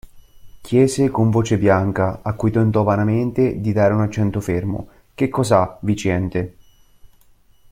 Chiese con voce bianca, a cui tentò vanamente di dare un accento fermo: Che cos'ha, Viciente?